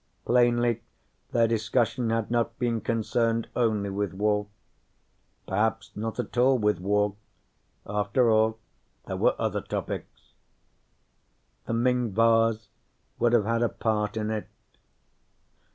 Plainly their discussion had not been concerned only with war, perhaps not at all with war after all, there were other topics. The Ming vase would have had a part in it.